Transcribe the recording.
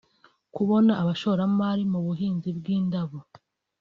kubona abashoramari mu buhinzi bw’indabo